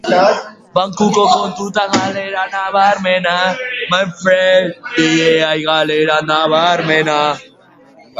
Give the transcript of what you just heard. Nola esan beharko genuke hori euskaraz?